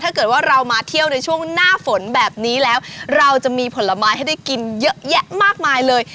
ถ้าเกิดว่าเรามาเที่ยวในช่วงหน้าฝนแบบนี้แล้วเราจะมีผลไม้ให้ได้กินเยอะแยะมากมายเลย